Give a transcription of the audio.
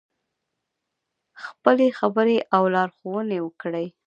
خپلې خبرې او لارښوونې وکړې.